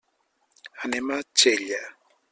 Anem a Xella.